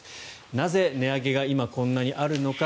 なぜ値上げが今、こんなにあるのか。